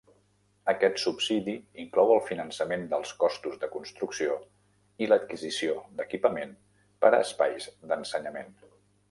Aquest subsidi inclou el finançament dels costos de construcció i l'adquisició d'equipament per a espais d'ensenyament.